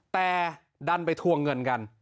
แต่ดันไปทวงเงินกัน